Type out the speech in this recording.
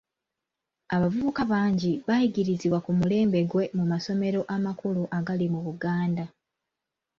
Abavubuka bangi baayigirizibwa ku mulembe gwe mu masomero amakulu agali mu Buganda.